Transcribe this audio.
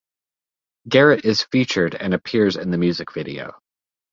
Garrett is featured and appears in the music video.